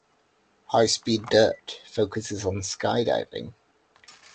"High Speed Dirt" focuses on skydiving.